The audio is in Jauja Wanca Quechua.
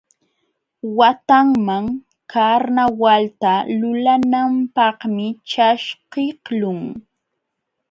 Watanman karnawalta lulananpaqmi ćhaskiqlun.